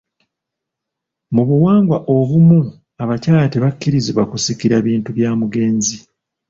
Mu buwangwa obumu abakyala tebakkirizibwa kusikira bintu bya mugenzi.